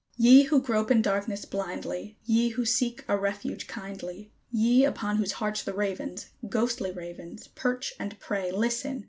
Ye who grope in darkness blindly, Ye who seek a refuge kindly, Ye upon whose hearts the ravens ghostly ravens perch and prey, Listen!